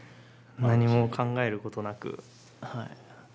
何も考えることなく。